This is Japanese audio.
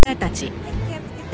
はい気をつけて。